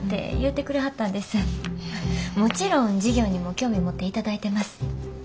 もちろん事業にも興味持っていただいてます。